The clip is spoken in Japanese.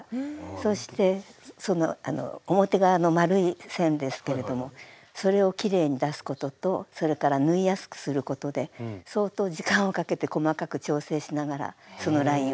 そしてその表側の丸い線ですけれどもそれをきれいに出すこととそれから縫いやすくすることで相当時間をかけて細かく調整しながらそのラインを作りました。